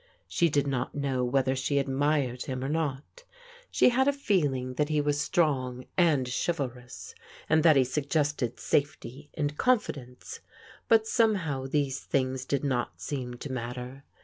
She did not know whether she admired him or not. She had a feel ing that he was strong and chivalrous, and that he sug gested safety and confidence, but somehow these things did not seem to matter.